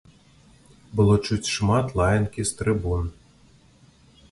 Было чуць шмат лаянкі з трыбун.